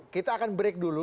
kita akan break dulu